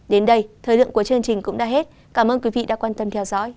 đến đây thời lượng của chương trình cũng đã hết cảm ơn quý vị đã quan tâm theo dõi